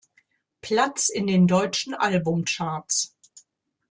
Platz in den deutschen Albumcharts.